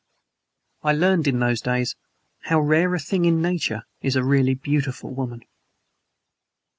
I learned, in those days, how rare a thing in nature is a really beautiful woman.